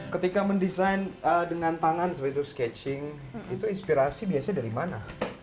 ketika mendesain dengan tangan seperti itu skatching itu inspirasi biasanya dari mana